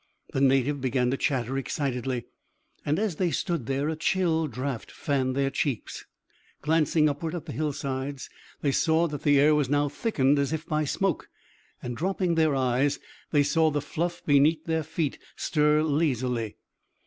The native began to chatter excitedly, and as they stood there a chill draught fanned their cheeks. Glancing upward at the hillsides, they saw that the air was now thickened as if by smoke, and, dropping their eyes, they saw the fluff beneath their feet stir lazily.